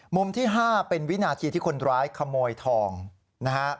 มุมที่๕เป็นวินาทีที่คนร้ายขโมยทองนะฮะ